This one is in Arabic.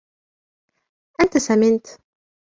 أنت سمنت.